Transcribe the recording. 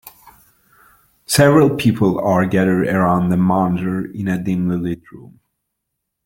Several people are gathered around a monitor in a dimly lit room.